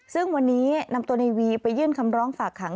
ซึ่งวันนี้นำตัวในวีไปยื่นคำร้องฝากขัง